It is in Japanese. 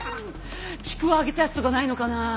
ちくわ揚げたやつとかないのかな？